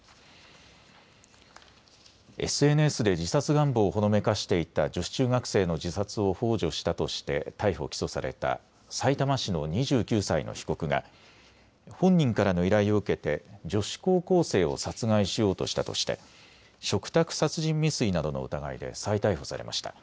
ＳＮＳで自殺願望をほのめかしていた女子中学生の自殺をほう助したとして逮捕・起訴されたさいたま市の２９歳の被告が本人からの依頼を受けて女子高校生を殺害しようとしたとして嘱託殺人未遂などの疑いで再逮捕されました。